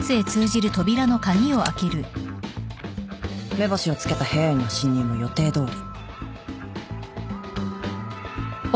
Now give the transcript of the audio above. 目星をつけた部屋への侵入も予定どおり。